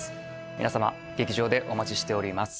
皆様劇場でお待ちしております。